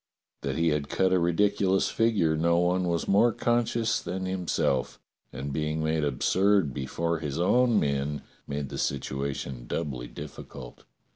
That he had cut a ridiculous figure no one was more conscious than himself, and being made absurd before his own men made the situation doubly difficult.